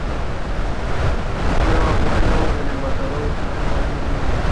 Fue tío abuelo del embajador Ismael Moreno Pino.